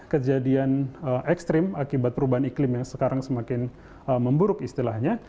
kejadian ekstrim akibat perubahan iklim yang sekarang semakin memburuk istilahnya